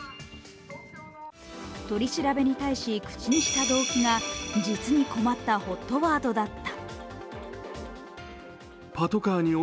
取り調べに対し口にした動機が実に困ったＨＯＴワードだった。